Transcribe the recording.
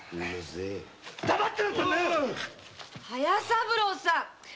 隼三郎さん！